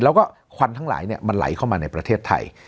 แล้วก็ควันทั้งหลายมันไหลเข้ามาในประเทศไทย